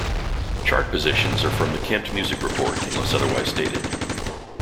Chart positions are from the Kent Music Report unless otherwise stated.